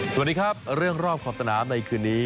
สวัสดีครับเรื่องรอบขอบสนามในคืนนี้